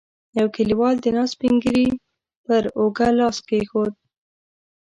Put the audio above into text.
يوه کليوال د ناست سپين ږيری پر اوږه لاس کېښود.